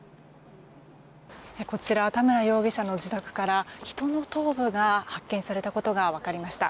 こちら田村容疑者の自宅から人の頭部が発見されたことが分かりました。